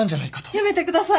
やめてください！